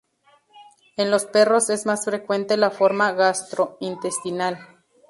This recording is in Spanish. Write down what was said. En los perros es más frecuente la forma gastrointestinal.